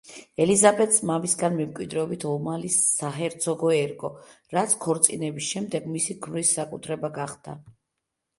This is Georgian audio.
ელიზაბეტს მამისგან მემკვიდრეობით ომალის საჰერცოგო ერგო, რაც ქორწინების შემდეგ მისი ქმრის საკუთრება გახდა.